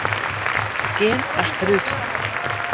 Gean achterút.